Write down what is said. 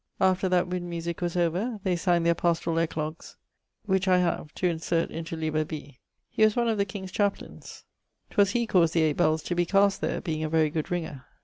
After that wind musique was over, they sang their pastorall eglogues (which I have, to insert in to liber B.). He was one of the king's chaplaines. 'Twas he caused the 8 bells to be cast there, being a very good ringer.